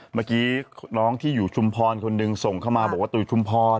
เมื่อกี้น้องที่อยู่ชุมพรคนหนึ่งส่งเข้ามาบอกว่าตัวอยู่ชุมพร